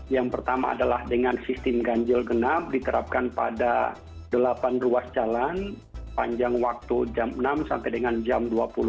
yang pertama adalah dengan sistem ganjil genap diterapkan pada delapan ruas jalan panjang waktu jam enam sampai dengan jam dua puluh